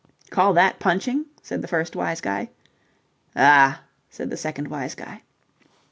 "Call that punching?" said the first wise guy. "Ah!" said the second wise guy.